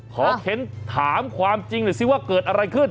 เค้นถามความจริงหน่อยสิว่าเกิดอะไรขึ้น